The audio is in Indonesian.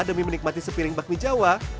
demi menikmati sepiring bakmi jawa